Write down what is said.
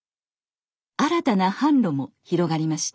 新たな販路も広がりました